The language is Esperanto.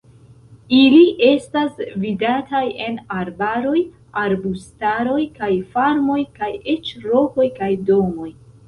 Ili estas vidataj en arbaroj, arbustaroj kaj farmoj kaj ĉe rokoj kaj domoj.